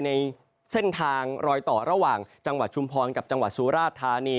ในเส้นทางรอยต่อระหว่างจังหวัดชุมพรกับจังหวัดสุราชธานี